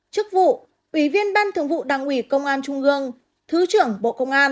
chức vụ ủy viên ban thường vụ đảng ủy công an trung ương thứ trưởng bộ công an